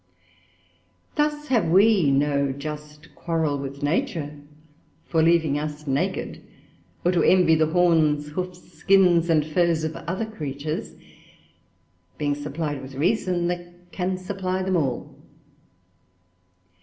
Thus have we no just quarrel with Nature, for leaving us naked; or to envy the Horns, Hoofs, Skins, and Furs of other Creatures, being provided with Reason, that can supply them all.